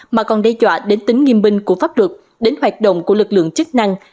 mà còn đe dọa đến tính nghiêm binh của pháp luật đến hoạt động của lực lượng chức năng